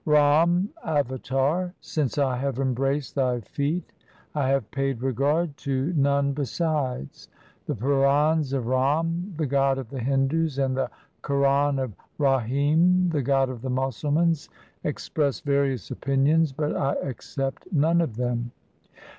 Ram Avatar Since I have embraced Thy feet I have paid regard to none besides. 2 The Purans of Ram (the God of the Hindus) and the Quran of Rahim (the God of the Musalmans) express various opinions, but I accept none of them.